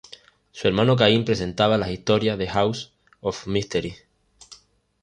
Su hermano Caín presentaba las historias de "House of Mystery".